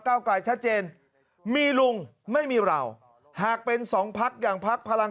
เก้าไกลชัดเจนมีลุงไม่มีเราหากเป็นสองพักอย่างพักพลัง